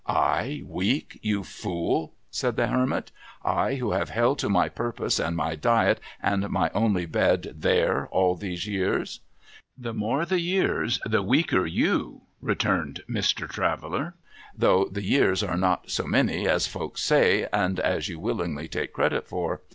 ' I weak, you fool ?' said the Hermit, ' I, who have held to my purpose, and my diet, and my only bed there, all these years ?'' The more the years, the weaker you,' returned Mr. Traveller. ' Though the years are not so many as folks say, and as you willingly take credit for.